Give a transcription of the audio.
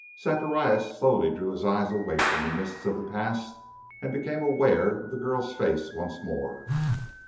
Zacharias slowly drew his eyes away from the mists of the past and became aware of the girl's face once more.